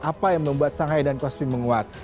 apa yang membuat shanghai dan kosvi menguat